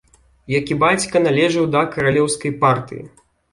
Як і бацька, належыў да каралеўскай партыі.